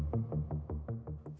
aku mau berbicara